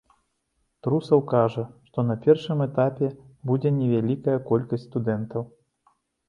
Трусаў кажа, што на першым этапе будзе невялікая колькасць студэнтаў.